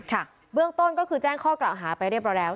เบื้องต้นก็คือแจ้งข้อกล่าวหาไปเรียบร้อยแล้ว